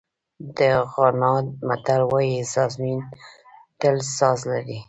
د غانا متل وایي سازمېن تل ساز لري.